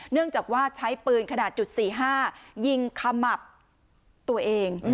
เนื่องจากว่าใช้ปืนขนาดจุด๔๕ยิงขมับตัวเอง